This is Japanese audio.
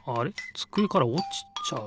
つくえからおちちゃう。